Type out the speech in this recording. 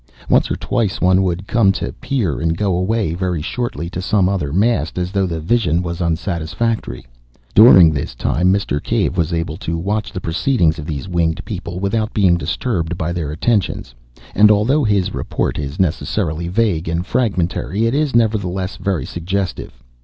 Once or twice one would come to peer, and go away very shortly to some other mast, as though the vision was unsatisfactory. During this time Mr. Cave was able to watch the proceedings of these winged people without being disturbed by their attentions, and, although his report is necessarily vague and fragmentary, it is nevertheless very suggestive.